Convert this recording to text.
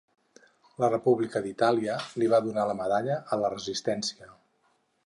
La República d'Itàlia li va donar la medalla a la Resistència.